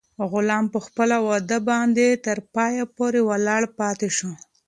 غلام په خپله وعده باندې تر پایه پورې ولاړ پاتې شو.